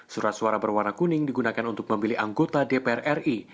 surat suara berwarna kuning digunakan untuk memilih anggota dpr ri